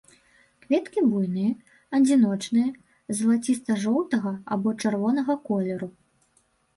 Кветкі буйныя, адзіночныя, залаціста-жоўтага або чырвонага колеру.